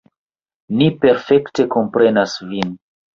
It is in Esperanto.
Ni perfekte komprenas vin.